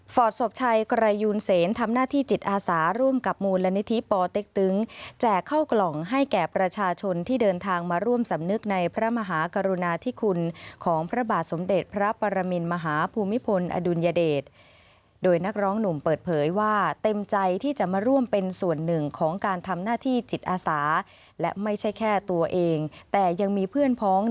ศพชัยไกรยูนเซนทำหน้าที่จิตอาสาร่วมกับมูลนิธิปอเต็กตึงแจกเข้ากล่องให้แก่ประชาชนที่เดินทางมาร่วมสำนึกในพระมหากรุณาธิคุณของพระบาทสมเด็จพระปรมินมหาภูมิพลอดุลยเดชโดยนักร้องหนุ่มเปิดเผยว่าเต็มใจที่จะมาร่วมเป็นส่วนหนึ่งของการทำหน้าที่จิตอาสาและไม่ใช่แค่ตัวเองแต่ยังมีเพื่อนพ้อง